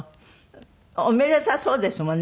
おめでたそうですもんね